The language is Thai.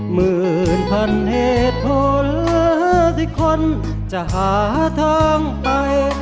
หมื่นพันเหตุโภษณ์ที่คนจะหาทางไป